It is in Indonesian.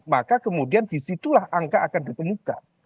maka kemudian disitulah angka akan ditemukan